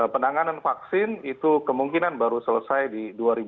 penanganan vaksin itu kemungkinan baru selesai di dua ribu dua puluh